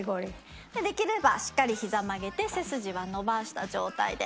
できればしっかりひざ曲げて背筋は伸ばした状態で。